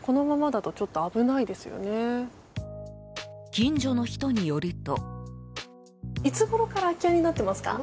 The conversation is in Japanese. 近所の人によると。